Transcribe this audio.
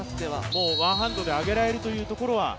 もうワンハンドで上げられるというところは？